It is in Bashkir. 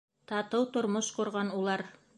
Татыу тормош ҡорған улар.